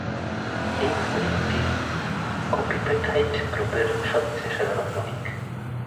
এই মণিকটি কোপিপ্যাটাইট গ্রুপের সবচেয়ে সাধারণ মণিক।